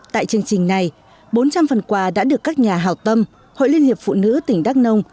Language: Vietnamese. tại chương trình này bốn trăm linh phần quà đã được các nhà hào tâm hội liên hiệp phụ nữ tỉnh đắk nông